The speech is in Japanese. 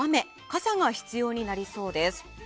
傘が必要になりそうです。